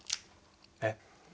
えっ？